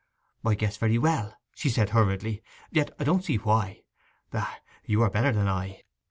'I guess very well,' she said hurriedly. 'Yet I don't see why. Ah, you are better than I!